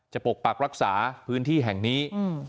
ปกปักรักษาพื้นที่แห่งนี้